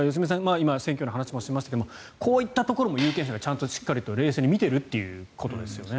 今、選挙の話もしましたがこういったところも有権者がちゃんとしっかり冷静に見ているということですよね。